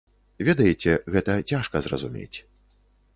Ведаеце, гэта цяжка зразумець.